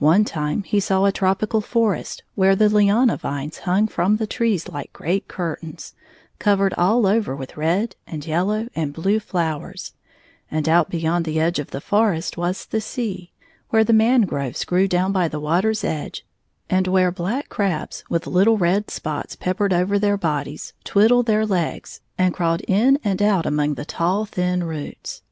One time he saw a trop ical forest, where the liana vines hung from the trees like great curtains, covered all over with red and yellow and blue flowers, and out beyond the edge of the forest was the sea, where the man groves grew down by the water's edge, and where black crabs, with little red spots peppered over their bodies, twiddle their legs and crawled in and 6i out among the tall, thin roots.